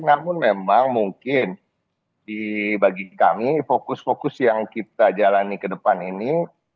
namun memang mungkin bagi kami fokus fokus yang kita jalani ke depan ini